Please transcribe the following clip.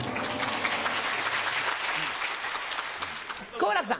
好楽さん。